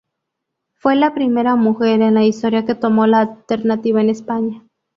Fue la primera mujer en la historia que tomó la alternativa en España.